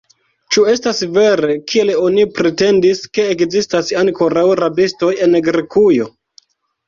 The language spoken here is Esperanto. Ĉu estas vere, kiel oni pretendis, ke ekzistas ankoraŭ rabistoj en Grekujo?